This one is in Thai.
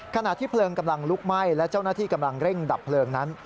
ขณะที่เพลิงกำลังลุกไหม้และเจ้าหน้าที่กำลังเร่งดับเพลิงนั้น